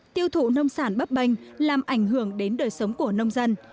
tiêu thụ nông sản bấp banh làm ảnh hưởng đến đời sống của nông dân